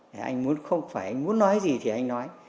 thì anh muốn không phải anh muốn nói gì thì anh nói